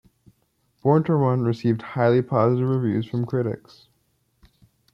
"Born to Run" received highly positive reviews from critics.